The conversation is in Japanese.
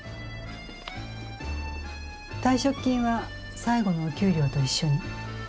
退職金は最後のお給料と一緒に。